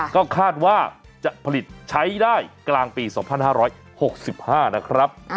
ก็คาดว่าจะผลิตใช้ได้กลางปี๒๕๖๕นะครับ